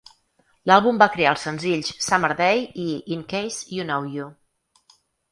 L'àlbum va crear els senzills "Summer Day" i "In Case You Know You".